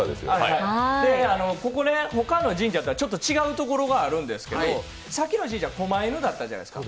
ここ、ほかの神社とは違うところがあるんですけど、さっきの神社、こま犬だったじゃないですか。